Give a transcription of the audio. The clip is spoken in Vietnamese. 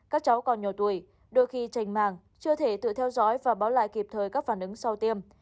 các cháu còn nhỏ tuổi đôi khi trành màng chưa thể tự theo dõi và báo lại kịp thời các phản ứng sau tiêm